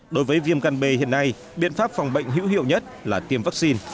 đối với viêm gan b hiện nay biện pháp phòng bệnh hữu hiệu nhất là tiêm vắc xin